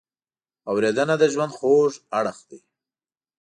اورېدنه د ژوند خوږ اړخ دی.